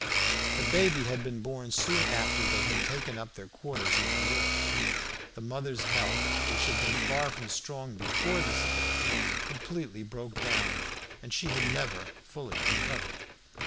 The baby had been born soon after they had taken up their quarters in New York. The mother's health, which had been far from strong before this event, completely broke down, and she had never fully recovered.